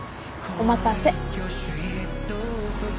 お待たせ。